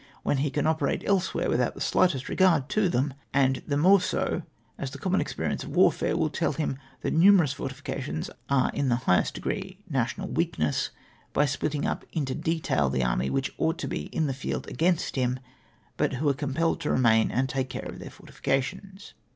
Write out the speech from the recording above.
when he can operate elsewhere without the slightest regard to them ; and the more so, as the common ex perience of warfare will tell him that numerous fortifi cations are in the highest degree national weakness, by splitting up mto detail the army which ought to be in the field agahist him, but who are compelled to remain and take care of their fortifications.